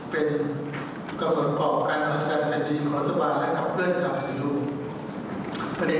เป็นกำหนดกรอบการสร้างความสงบเรียบร้อยในบ้านแผ่นดินและการเตรียมปฏิรูปประเทศ